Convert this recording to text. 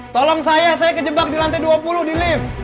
tolong saya saya kejebak di lantai dua puluh di lift